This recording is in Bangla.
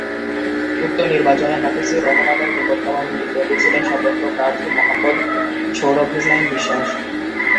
উক্ত নির্বাচনে হাফিজুর রহমানের নিকটতম প্রতিদ্বন্দী ছিলেন স্বতন্ত্র প্রার্থী মোহাম্মদ সৌরভ হোসাইন বিশ্বাস।